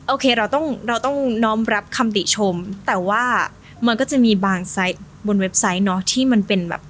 โอเคเราต้องน้อมรับคำติชมแต่ว่ามันก็จะมีบางไซต์บนเว็บไซต์เน